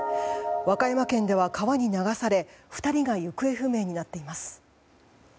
和歌山県では川に流され２人が行方不明になっています。